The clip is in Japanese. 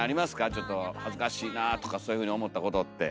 ちょっと恥ずかしいなあとかそういうふうに思ったことって。